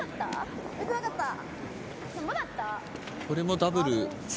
これもダブル。